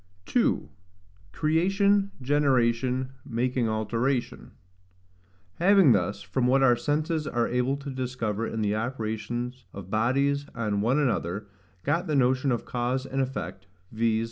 2. Creation Generation, making Alteration. Having thus, from what our senses are able to discover in the operations of bodies on one another, got the notion of cause and effect, viz.